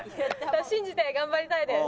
信じて頑張りたいです。